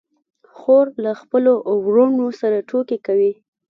خور له خپلو وروڼو سره ټوکې کوي.